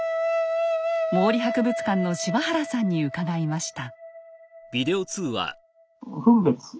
毛利博物館の柴原さんに伺いました。